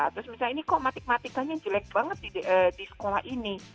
terus misalnya ini kok matek matikanya jelek banget di sekolah ini